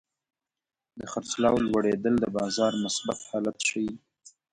د خرڅلاو لوړېدل د بازار مثبت حالت ښيي.